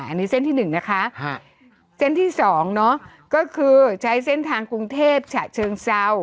อันนี้เส้นที่๑นะคะเส้นที่สองเนอะก็คือใช้เส้นทางกรุงเทพฉะเชิงเซา